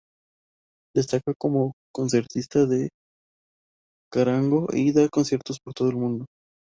Destaca como concertista de charango, y da conciertos por todo el mundo.